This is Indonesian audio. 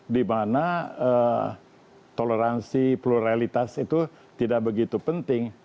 di mana toleransi pluralitas itu tidak begitu penting